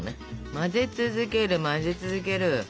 混ぜ続ける混ぜ続ける。